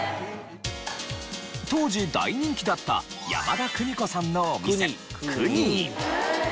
当時大人気だった山田邦子さんのお店ＫＵＮＹ。